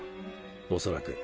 恐らく。